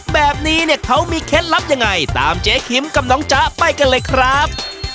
แบบนี้เนี่ยเขามีเคล็ดลับยังไงตามเจ๊คิมกับน้องจ๊ะไปกันเลยครับ